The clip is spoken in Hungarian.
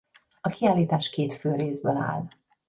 A kiállítás két fő részből áll.